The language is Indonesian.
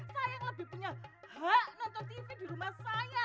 saya yang lebih punya hak nonton tv di rumah saya